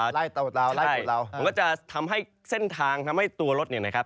ไล่เตาไล่กดเรามันก็จะทำให้เส้นทางทำให้ตัวรถเนี่ยนะครับ